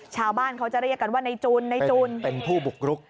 ชาวบ้านเขาจะเรียกกันว่าในจุนในจุนเป็นผู้บุกรุก